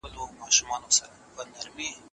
• د خلکو د خوشحالولو لپاره ژوند مه کوه.